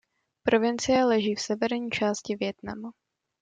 Provincie leží v severní části Vietnamu.